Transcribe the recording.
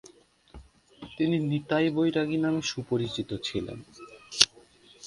তিনি নিতাই বৈরাগী নামে সুপরিচিত ছিলেন।